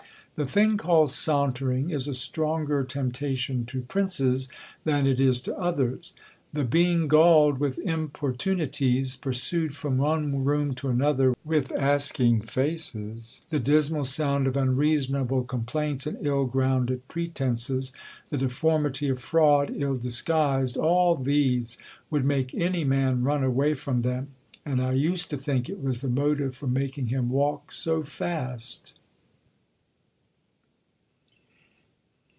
"The thing called SAUNTERING is a stronger temptation to princes than it is to others. The being galled with importunities, pursued from one room to another with asking faces; the dismal sound of unreasonable complaints and ill grounded pretences; the deformity of fraud ill disguised: all these would make any man run away from them, and I used to think it was the motive for making him walk so fast."